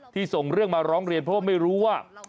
ส่งเรื่องมาร้องเรียนเพราะว่าไม่รู้ว่า